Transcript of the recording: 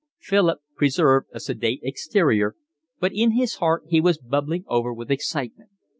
Philip preserved a sedate exterior, but in his heart he was bubbling over with excitement.